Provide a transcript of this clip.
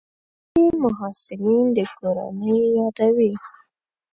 ځینې محصلین د کورنۍ یادوي.